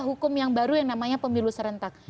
hukum yang baru yang namanya pemilu serentak